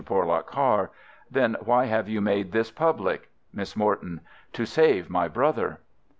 Porlock Carr: Then why have you made this public? Miss Morton: To save my brother.